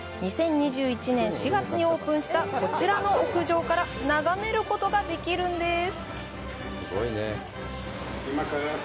２０２１年４月にオープンしたこちらの屋上から眺めることができるんです。